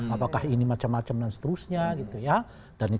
apakah ini macam macam dan seterusnya